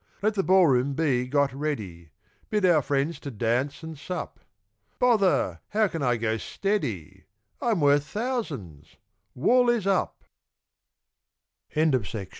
Let the ball room be got ready, Bid our friends to dance and sup: Bother! how can I "go steady"? I'm worth thousands wool is up! GARNET WALCH. _WOOL IS DOWN.